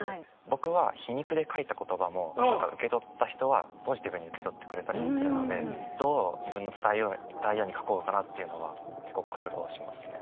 僕は皮肉で書いた言葉も何か受け取った人はポジティブに受け取ってくれたりもするのでどう自分の伝えたいように書こうかなっていうのは結構苦労しますね。